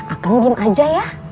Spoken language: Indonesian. akan diam aja ya